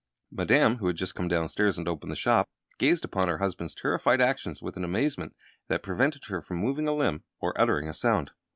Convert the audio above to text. Madame, who had just come downstairs and opened the shop, gazed upon her husband's terrified actions with an amazement that prevented her from moving a limb or uttering a sound.